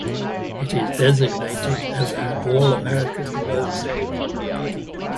It is designated as an All-American Road.